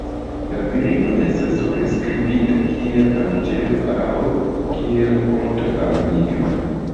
La virino estas priskribita kiel 'anĝelo' aŭ kiel 'ponto al Dio'.